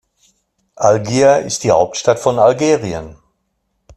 Algier ist die Hauptstadt von Algerien.